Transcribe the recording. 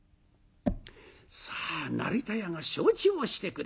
さあ成田屋が承知をしてくれた。